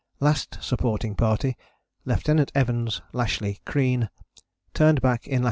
Last Supporting Party (Lieut. Evans, Lashly, Crean) turned back in lat.